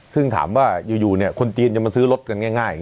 ซึ่งถามว่าอยู่คนจีนจะมาซื้อรถกันง่าย